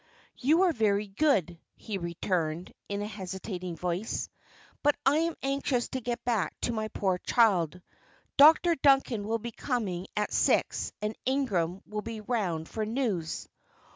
"You are very good," he returned, in a hesitating voice. "But I am anxious to get back to my poor child. Dr. Duncan will be coming at six, and Ingram will be round for news."